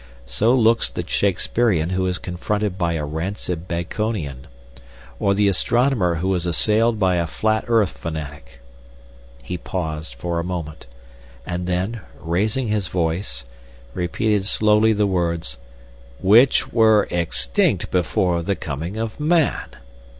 So looks the Shakespearean who is confronted by a rancid Baconian, or the astronomer who is assailed by a flat earth fanatic. He paused for a moment, and then, raising his voice, repeated slowly the words: "Which were extinct before the coming of man."